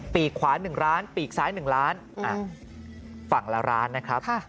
กขวา๑ล้านปีกซ้าย๑ล้านฝั่งละร้านนะครับ